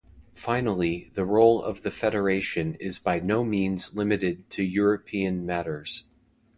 Finally, the role of the Federation is by no means limited to European matters.